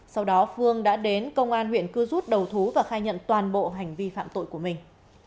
sau đó phương đã đến công an huyện cư rút đầu thú và khai nhận toàn bộ hành vi phạm tội của mình